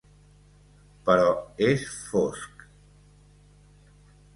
Però és fosc!